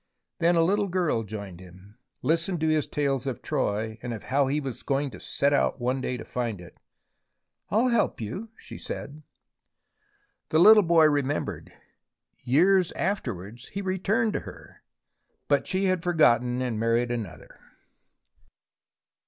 Then a little girl joined him, listened to his tales of Troy and of how he was going to set out one day to find it. " I'll help you," she said. The little boy remembered. Years afterwards he returned to her, but she had forgotten and married another.